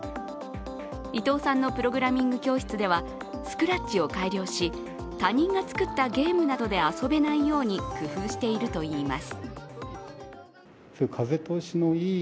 伊藤さんのプログラミング教室ではスクラッチを改良し、他人が作ったゲームなどで遊べないように工夫しているといいます。